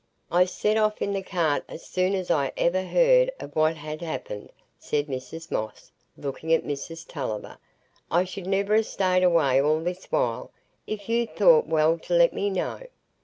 "I set off in the cart as soon as ever I heard o' what had happened," said Mrs Moss, looking at Mrs Tulliver. "I should never ha' stayed away all this while, if you'd thought well to let me know.